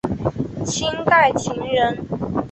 清代琴人。